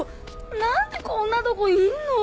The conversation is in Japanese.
何でこんなとこいんの？